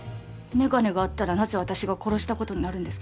メガネがあったらなぜ私が殺したことになるんですか？